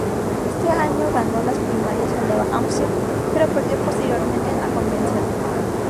Ese año ganó las primarias en Nueva Hampshire, pero perdió posteriormente en la convención.